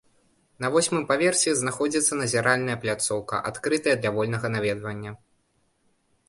На восьмым паверсе знаходзіцца назіральная пляцоўка, адкрытая для вольнага наведвання.